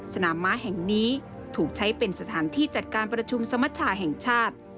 สนามม้าแห่งนี้ถูกใช้เป็นสถานที่จัดการประชุมสมชาแห่งชาติ